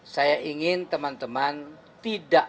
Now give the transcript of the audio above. saya ingin teman teman tidak